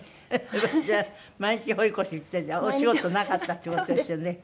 じゃあ毎日堀越行ってお仕事なかったっていう事ですよね。